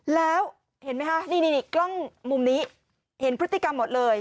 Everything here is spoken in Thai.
แล้วเห็นไหมคะนี่กล้องมุมนี้เห็นพฤติกรรมหมดเลย